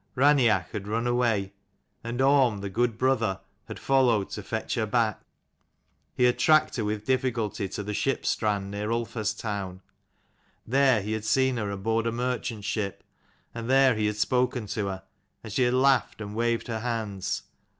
Raineach had run away, and Orm, the good brother, had followed to fetch her back. He had tracked her with difficulty to the ship strand near Ulfar's town. There he had seen her aboard a merchant ship, and there he had spoken to her, and she had laughed and waved her hands.